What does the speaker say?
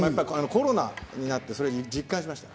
コロナになって実感しました。